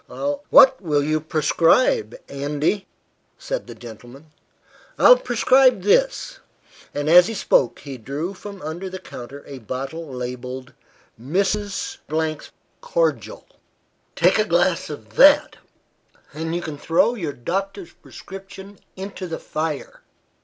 "Well, what will you prescribe, Andy?" said the gentleman. "I'll prescribe this." And, as he spoke, he drew from under the counter a bottle labelled "Mrs. 's Cordial." "Take a glass of that, and you can throw your doctor's prescription into the fire."